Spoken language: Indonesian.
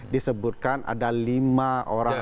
disebutkan ada lima orang